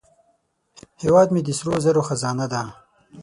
هیواد مې د سرو زرو خزانه ده